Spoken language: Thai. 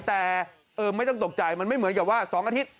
แต่ไม่ต้องตกใจมันไม่เหมือนกับว่า๒อาทิตย์